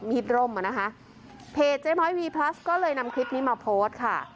ร่มอ่ะนะคะเพจเจ๊ม้อยวีพลัสก็เลยนำคลิปนี้มาโพสต์ค่ะ